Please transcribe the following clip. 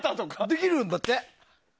できるんだって！